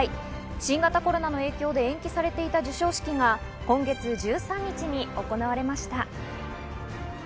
新型コロナの影響で延期されていた授賞式が今月１３日に行われました。